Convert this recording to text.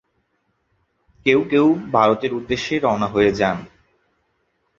কেউ কেউ ভারতের উদ্দেশ্যে রওনা হয়ে যান।